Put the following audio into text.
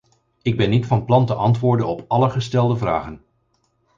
Ik ben niet van plan te antwoorden op alle gestelde vragen.